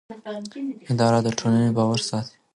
اداره د ټولنې باور ساتي.